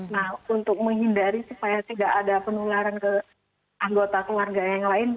nah untuk menghindari supaya tidak ada penularan ke anggota keluarga yang lain